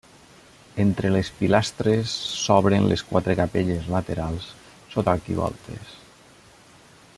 Entre les pilastres s'obren les quatre capelles laterals sota arquivoltes.